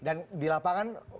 dan di lapangan